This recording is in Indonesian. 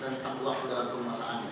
rentang waktu dalam penguasaannya